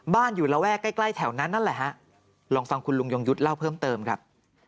อยู่ระแวกใกล้ใกล้แถวนั้นนั่นแหละฮะลองฟังคุณลุงยงยุทธ์เล่าเพิ่มเติมครับ